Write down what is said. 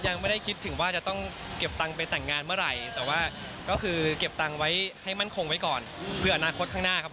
ยังไม่ได้คิดถึงว่าจะต้องเก็บตังค์ไปแต่งงานเมื่อไหร่แต่ว่าก็คือเก็บตังค์ไว้ให้มั่นคงไว้ก่อนเผื่ออนาคตข้างหน้าครับ